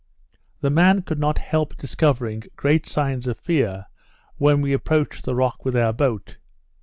The man could not help discovering great signs of fear when we approached the rock with our boat.